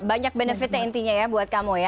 banyak benefitnya intinya ya buat kamu ya